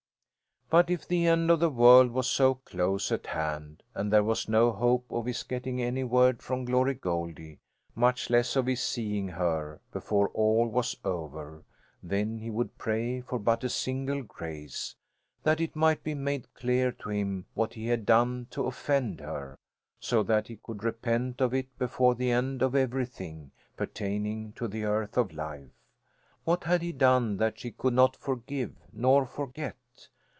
But if the end of the world was so close at hand and there was no hope of his getting any word from Glory Goldie, much less of his seeing her, before all was over, then he would pray for but a single grace that it might be made clear to him what he had done to offend her, so that he could repent of it before the end of everything pertaining to the earth life. What had he done that she could not forgive nor forget?